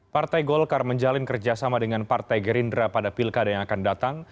partai golkar menjalin kerjasama dengan partai gerindra pada pilkada yang akan datang